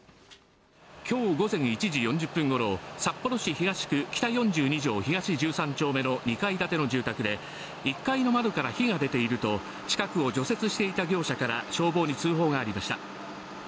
今日午前１時４０分ごろ札幌市東区北４２条東１３丁目の２階建ての住宅で１階の窓から火が出ていると近くを除雪していた業者から消防に通報がありました。